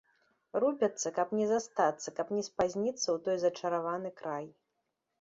Рупяцца, каб не застацца, каб не спазніцца ў той зачараваны край.